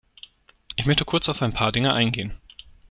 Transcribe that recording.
Ich möchte kurz auf ein paar Dinge eingehen.